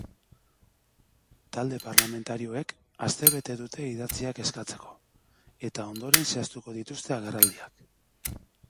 Talde parlamentarioek astebete dute idatziak eskatzeko, eta ondoren zehaztuko dituzte agerraldiak.